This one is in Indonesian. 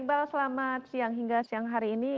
iqbal selamat siang hingga siang hari ini